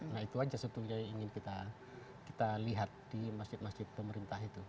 nah itu saja sebetulnya yang ingin kita lihat di masjid masjid pemerintah itu